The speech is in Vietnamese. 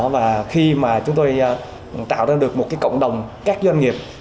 và khi mà chúng tôi tạo ra được một cộng đồng các doanh nghiệp